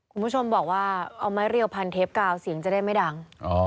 คุณผู้ชมบอกว่าเอาไม้เรียวพันเทปกาวเสียงจะได้ไม่ดัง